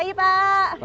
selamat pagi pak